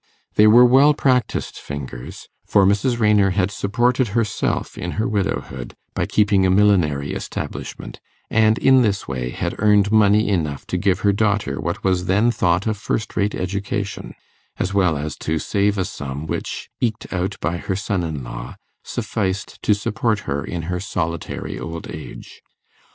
They were well practised fingers, for Mrs. Raynor had supported herself in her widowhood by keeping a millinery establishment, and in this way had earned money enough to give her daughter what was then thought a first rate education, as well as to save a sum which, eked out by her son in law, sufficed to support her in her solitary old age.